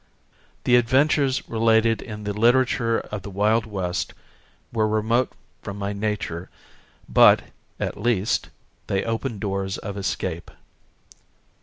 The adventures related in the literature of the Wild West were remote from my nature but, at least, they opened doors of escape.